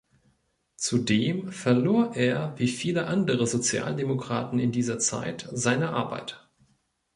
Zudem verlor er wie viele andere Sozialdemokraten in dieser Zeit seine Arbeit.